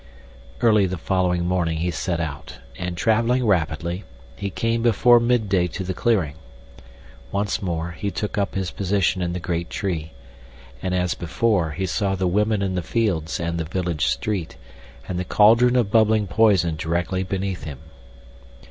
Early the following morning he set out, and, traveling rapidly, he came before midday to the clearing. Once more he took up his position in the great tree, and, as before, he saw the women in the fields and the village street, and the cauldron of bubbling poison directly beneath him.